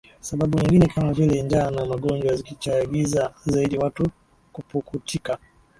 sababu nyingine kama vile njaa na magonjwa zikichagiza zaidi watu kupukutika